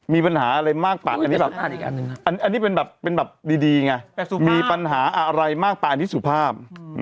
มีปัญหาอะไรมากปัดอันนี้แบบอันนี้เป็นแบบเป็นแบบดีไงมีปัญหาอะไรมากไปอันนี้สุภาพ